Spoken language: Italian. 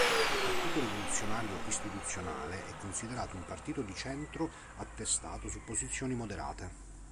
Il Partito Rivoluzionario Istituzionale è considerato un partito di centro attestato su posizioni moderate.